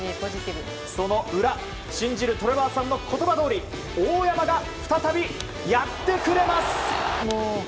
その裏信じるトレバーさんの言葉どおり大山が再びやってくれます！